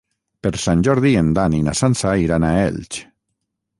Per Sant Jordi en Dan i na Sança iran a Elx.